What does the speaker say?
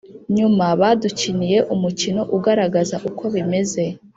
nyuma badukiniye umukino ugaragaza uko bimeze